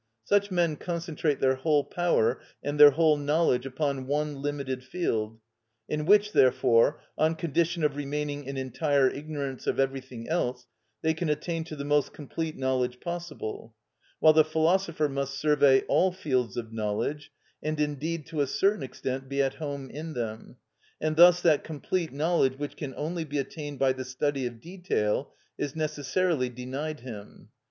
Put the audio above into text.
Such men concentrate their whole power and their whole knowledge upon one limited field, in which, therefore, on condition of remaining in entire ignorance of everything else, they can attain to the most complete knowledge possible; while the philosopher must survey all fields of knowledge, and indeed to a certain extent be at home in them; and thus that complete knowledge which can only be attained by the study of detail is necessarily denied him.